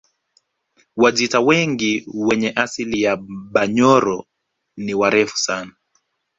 Wajita wengi wenye asili ya Banyoro ni warefu sana